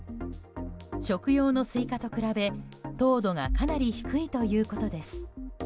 食用のスイカと比べ、糖度がかなり低いということです。